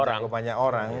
dan menjangkau banyak orang